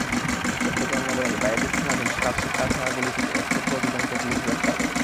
চট্টগ্রাম নগরের বায়েজিদ থানাধীন স্টারশিপ কারখানার গলি থেকে অস্ত্রসহ দুজনকে পুলিশ গ্রেপ্তার করেছে।